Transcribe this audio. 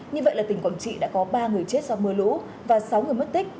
như vậy là tỉnh quảng trị đã có ba người chết do mưa lũ và sáu người mất tích